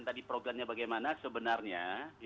tadi programnya bagaimana sebenarnya